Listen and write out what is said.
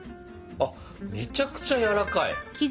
あっめちゃくちゃやわらかい！ね。